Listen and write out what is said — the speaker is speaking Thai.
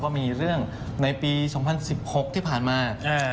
มีเรื่องในปี๒๐๑๖ที่ผ่านมา